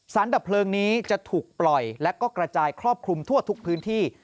ดับเพลิงนี้จะถูกปล่อยและก็กระจายครอบคลุมทั่วทุกพื้นที่